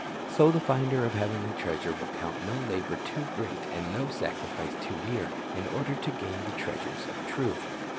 So the finder of heavenly treasure will count no labor too great and no sacrifice too dear, in order to gain the treasures of truth.